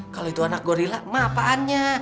kalau itu anak gorilla mah apaannya